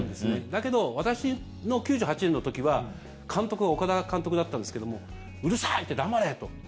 だけど私の、９８年の時は監督が岡田監督だったんですけどうるさいって、黙れと。